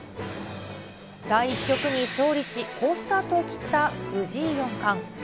第１局に勝利し、好スタートを切った藤井四冠。